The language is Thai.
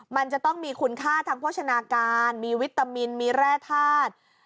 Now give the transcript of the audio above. มันจะต้องมีคุณค่าทางโภชนาการมีวิตามินมีแร่ธาตุ